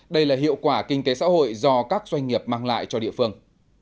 đây là hiệu quả kinh tế xã hội do các doanh nghiệp mang lại cho địa phương